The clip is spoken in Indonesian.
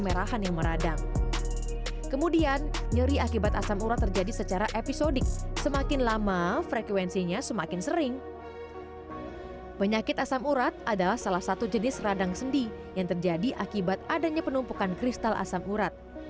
penyakit asam urat adalah salah satu jenis radang sendi yang terjadi akibat adanya penumpukan kristal asam urat